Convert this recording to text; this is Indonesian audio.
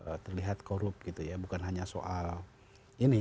ketika kita melihat korup gitu ya bukan hanya soal ini